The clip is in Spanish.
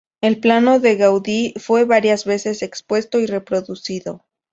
El plano de Gaudí fue varias veces expuesto y reproducido.